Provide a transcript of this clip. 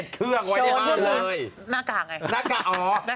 ซื้อ๗เครื่องวันนี้บ้างเลย